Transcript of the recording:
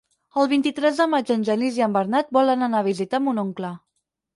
El vint-i-tres de maig en Genís i en Bernat volen anar a visitar mon oncle.